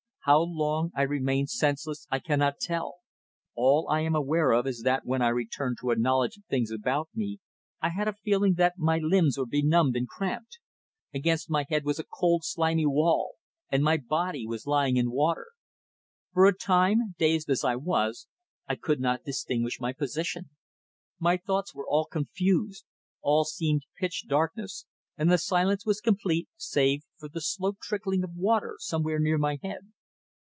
How long I remained senseless I cannot tell. All I am aware of is that when I returned to a knowledge of things about me I had a feeling that my limbs were benumbed and cramped. Against my head was a cold, slimy wall, and my body was lying in water. For a time, dazed as I was, I could not distinguish my position. My thoughts were all confused; all seemed pitch darkness, and the silence was complete save for the slow trickling of water somewhere near my head.